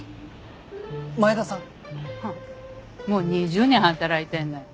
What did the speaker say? もう２０年働いてんのよ。